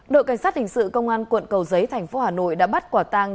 đội cảnh sát hình sự công an quận cầu giấy thành phố hà nội đã bắt quả tang